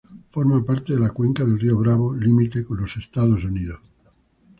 Forma parte de la cuenca del Río Bravo, límite con Estados Unidos.